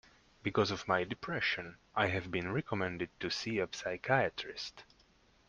Because of my depression, I have been recommended to see a psychiatrist.